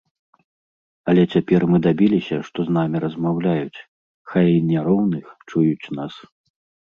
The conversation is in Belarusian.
Але цяпер мы дабіліся, што з намі размаўляюць, хай і не роўных, чуюць нас.